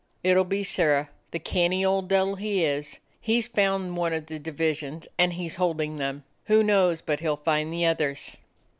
"It'll be Sirrah! the canny old de'il he is! He 's found one of the divisions, and, he 's holding them. Who knows but he 'll find the others?"